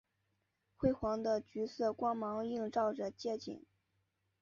昏黄的橘色光芒映照着街景